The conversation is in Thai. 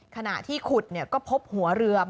ขณะที่ขุดเนี่ยก็พบหัวเรือ